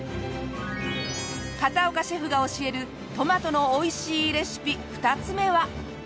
片岡シェフが教えるトマトのおいしいレシピ２つ目は。